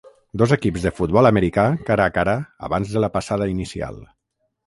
Dos equips de futbol americà cara a cara abans de la passada inicial.